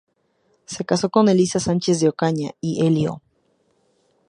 Se casó con Elisa Sánchez de Ocaña y de Elio.